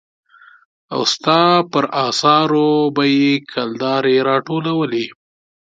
او ستا پر اثارو به يې کلدارې را ټولولې.